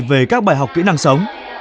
về các bài học kỹ năng sống